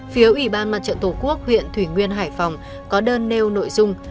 phía ủy ban mặt trận tổ quốc huyện thủy nguyên hải phòng có đơn nêu nội dung